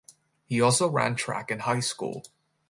He also ran track in high school.